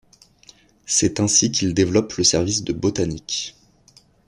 C'est ainsi qu'il développe le Service de botanique.